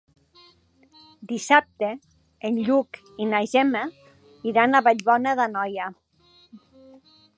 Dissabte en Lluc i na Gemma iran a Vallbona d'Anoia.